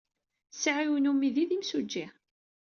Sɛiɣ yiwen n umidi d imsujji.